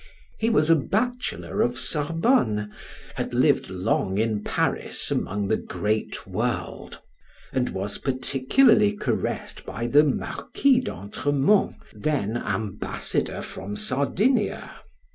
He was a Bachelor of Sorbonne, had lived long in Paris among the great world, and was particularly caressed by the Marquis d'Antremont, then Ambassador from Sardinia.